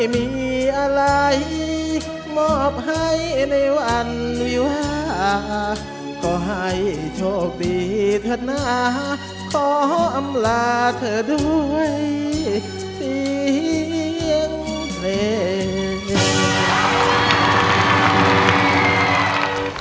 มีอะไรมอบให้ในวันวิวาก็ให้โชคดีเถอะนะขออำลาเธอด้วยเสียงเพลง